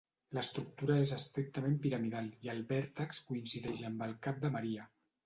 L'estructura és estrictament piramidal, i el vèrtex coincideix amb el cap de Maria.